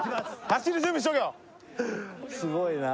すごいな。